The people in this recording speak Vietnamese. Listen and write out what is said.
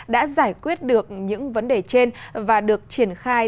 đã giải quyết được những vấn đề trên và được triển khai